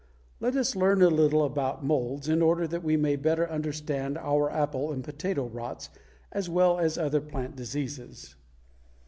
Let us learn a little about molds, in order that we may better understand our apple and potato rots, as well as other plant diseases.